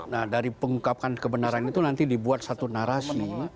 nah dari pengungkapan kebenaran itu nanti dibuat satu narasi